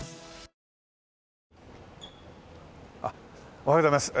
おはようございます。